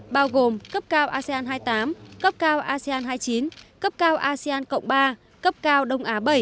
bao gồm cấp cao asean hai mươi tám cấp cao asean hai mươi chín cấp cao asean cộng ba cấp cao đông á bảy